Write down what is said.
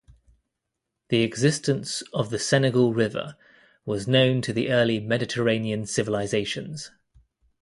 The existence of the Senegal River was known to the early Mediterranean civilizations.